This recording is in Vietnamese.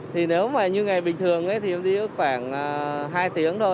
thì nếu mà như ngày bình thường thì em đi khoảng hai tiếng thôi